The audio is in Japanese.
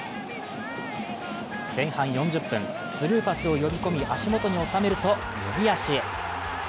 前半４０分、スルーパスを呼び込み、足元に収めると右足へ。